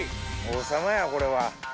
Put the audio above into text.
王様やこれは。